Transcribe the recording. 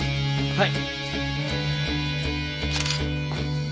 はい。